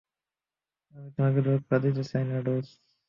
আমি তোমাকে ধোঁকা দিতে চাইনা, রাজ।